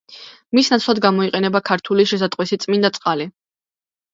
მის ნაცვლად გამოიყენება ქართული შესატყვისი „წმიდა წყალი“.